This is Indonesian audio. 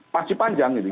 pasti panjang ini